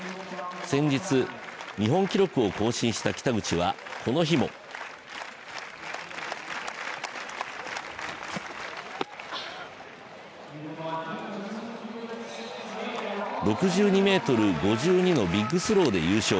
先日、日本記録を更新した北口はこの日も６２ｍ５２のビッグスローで優勝。